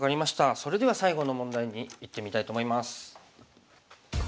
それでは最後の問題にいってみたいと思います。